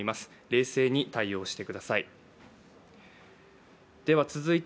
冷静に対応してください。